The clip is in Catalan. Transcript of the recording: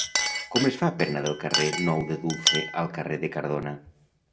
Com es fa per anar del carrer Nou de Dulce al carrer de Cardona?